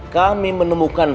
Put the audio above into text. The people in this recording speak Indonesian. kami menemukan sumenap